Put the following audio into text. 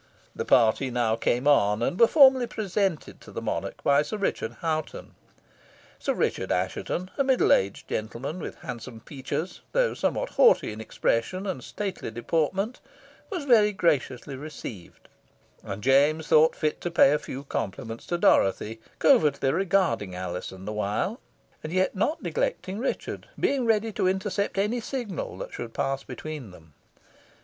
The party now came on, and were formally presented to the monarch by Sir Richard Hoghton. Sir Richard Assheton, a middle aged gentleman, with handsome features, though somewhat haughty in expression, and stately deportment, was very graciously received, and James thought fit to pay a few compliments to Dorothy, covertly regarding Alizon the while, yet not neglecting Richard, being ready to intercept any signal that should pass between them.